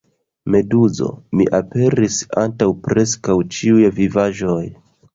Meduzo: "Mi aperis antaŭ preskaŭ ĉiuj vivaĵoj!"